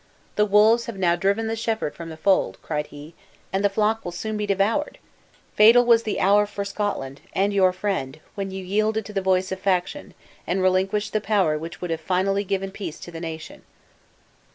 The wolves have now driven the shepherd from the fold," cried he, "and the flock will soon be devoured! Fatal was the hour for Scotland, and your friend, when you yielded to the voice of faction, and relinquished the power which would have finally given peace to the nation!"